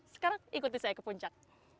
sekarang ikuti saya ke puncak